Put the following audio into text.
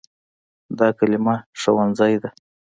دا کلمه “ښوونځی” ده.